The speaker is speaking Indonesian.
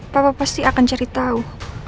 papa pasti akan cari tau